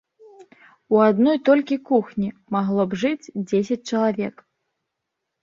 У адной толькі кухні магло б жыць дзесяць чалавек.